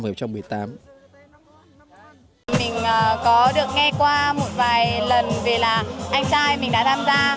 mình có được nghe qua một vài lần về là anh trai mình đã tham gia